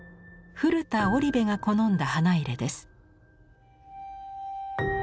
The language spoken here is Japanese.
古田織部が好んだ花入れです。